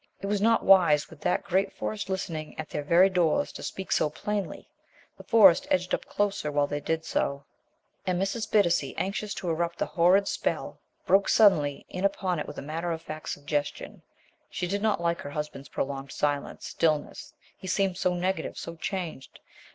It was not wise, with that great Forest listening at their very doors, to speak so plainly. The forest edged up closer while they did so. And Mrs. Bittacy, anxious to interrupt the horrid spell, broke suddenly in upon it with a matter of fact suggestion. She did not like her husband's prolonged silence, stillness. He seemed so negative so changed.